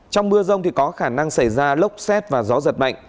trong mưa rông thì có khả năng xảy ra lốc xét và gió giật mạnh